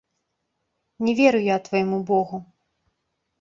Не веру я твайму богу.